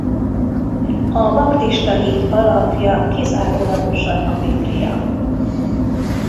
A baptista hit alapja kizárólagosan a Biblia.